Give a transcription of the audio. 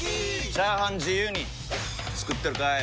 チャーハン自由に作ってるかい！？